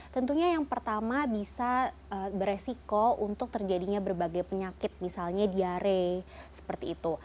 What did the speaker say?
tentunya yang pertama bisa beresiko untuk terjadinya berbagai penyakit misalnya diare seperti itu